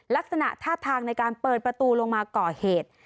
ลักษณะท่าทางในการเปิดประตูลงมาก่อเหตุ